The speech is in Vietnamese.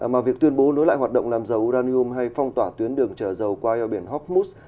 mà việc tuyên bố nối lại hoạt động làm dầu uranium hay phong tỏa tuyến đường trở dầu qua eo biển hockmos